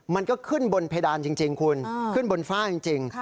มันก็ขึ้นบนเพดานจริงคุณขึ้นบนฝ้าจริง